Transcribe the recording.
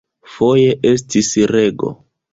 Foje estis rego.